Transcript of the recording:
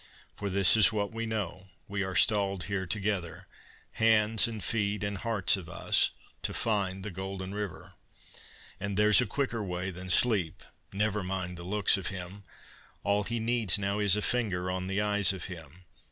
For this is what we know: we are stalled here together Hands and feet and hearts of us, to find the golden river. And there's a quicker way than sleep?... Never mind the looks of him: All he needs now is a finger on the eyes of him.